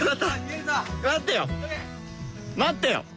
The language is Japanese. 待ってよ！